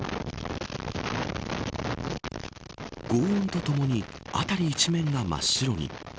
轟音と共に辺り一面が真っ白に。